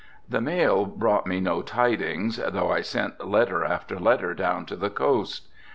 The mail brought me no tidings, though I sent letter after letter down to the coast.